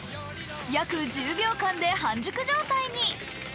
約１０秒間で半熟状態に。